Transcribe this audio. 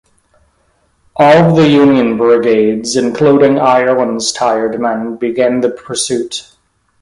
All of the Union brigades, including Ireland's tired men, began the pursuit.